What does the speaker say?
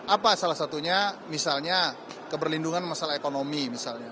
apa salah satunya misalnya keberlindungan masalah ekonomi misalnya